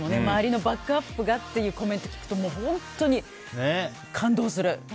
周りのバックアップがっていうコメントを聞くと本当に感動する。